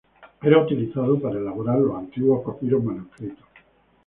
Era utilizado para elaborar los antiguos papiros manuscritos.